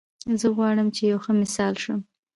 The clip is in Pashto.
زه غواړم چې یو ښه مثال شم